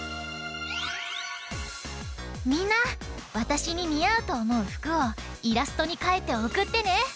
みんなわたしににあうとおもうふくをイラストにかいておくってね！